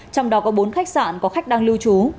trong đó có bốn khách sạn có khách đang lưu trú